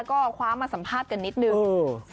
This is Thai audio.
ก็คว้ามาสัมภาษณ์กันนิดนึง